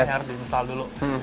ya di install dulu